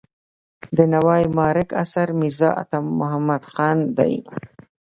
د نوای معارک اثر میرزا عطا محمد خان دی.